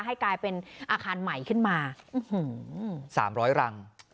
ให้กลายเป็นอาคารใหม่ขึ้นมาอื้อหือสามร้อยรัง